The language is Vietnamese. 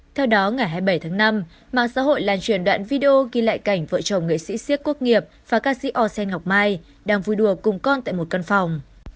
theo đó ngày hai mươi bảy tháng năm mạng xã hội lan truyền đoạn video ghi lại cảnh vợ chồng nghệ sĩ siếc quốc nghiệp và ca sĩ osen ngọc mai đang vui đùa cùng con tại một căn phòng